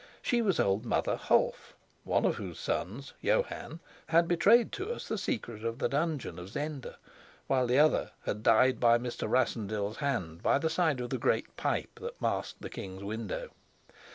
She was old Mother Holf, one of whose sons, Johann, had betrayed to us the secret of the dungeon at Zenda, while the other had died by Mr. Rassendyll's hand by the side of the great pipe that masked the king's window.